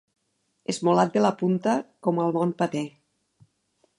Esmolat de la punta, com el bon patè.